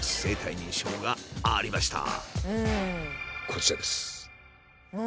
こちらです。